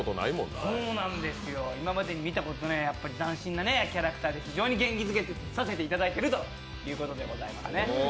今までに見たことない斬新なキャラクターで非常に元気づけさせていただいているということですね。